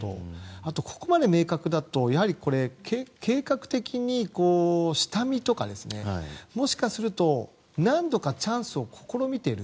あと、ここまで明確だと計画的に下見とかもしかすると何度かチャンスを試みている。